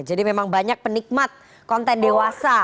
jadi memang banyak penikmat konten dewasa